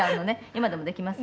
今でもできます？